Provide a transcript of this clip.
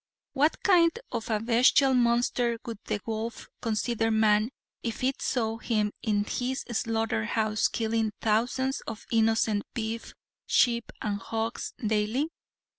What kind of a bestial monster would the wolf consider man if it saw him in his slaughter house killing thousands of innocent beef, sheep and hogs daily?